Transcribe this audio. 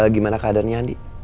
gimana keadaannya andi